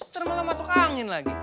ternyata masuk angin lagi